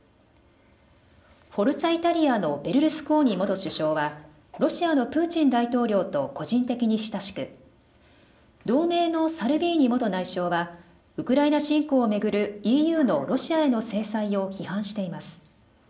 フォルツァ・イタリアのベルルスコーニ元首相はロシアのプーチン大統領と個人的に親しく同盟のサルビーニ元内相はウクライナ侵攻を巡るＥＵのロシアへの制裁を批判しています。